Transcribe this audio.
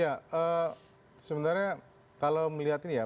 ya sebenarnya kalau melihat ini ya